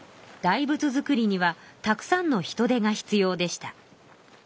大仏造りにはたくさんの人手が必要でした。